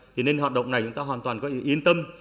thì nên hoạt động này chúng ta hoàn toàn có yên tâm